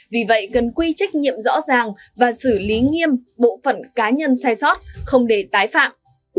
vì vậy cần quy trách nhiệm rõ ràng và xử lý nghiêm bộ phận cá nhân sai sót không để tái phạm